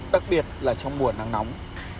đặc biệt là trong mùa nắng nóng